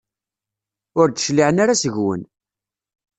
Ur d-cliɛen ara seg-wen.